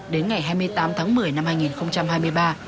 đến ngày hai mươi tám tháng một mươi năm hai nghìn hai mươi ba